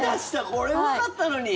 これ、うまかったのに！